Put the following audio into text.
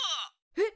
えっ？